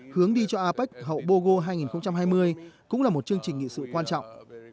hướng đi cho apec hậu bogo hai nghìn hai mươi cũng là một chương trình nghị sự quan trọng